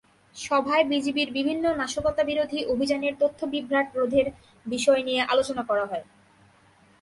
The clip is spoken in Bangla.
সভায় বিজিবির বিভিন্ন নাশকতাবিরোধী অভিযানের তথ্যবিভ্রাট রোধের বিষয় নিয়ে আলোচনা করা হয়।